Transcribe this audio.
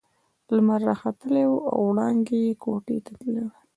لمر راختلی وو او وړانګې يې کوټې ته راتلې.